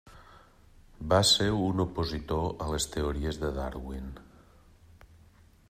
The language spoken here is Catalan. Va ser un opositor a les teories de Darwin.